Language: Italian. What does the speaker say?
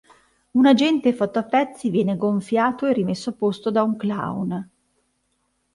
Un agente fatto a pezzi viene gonfiato e rimesso a posto da un clown.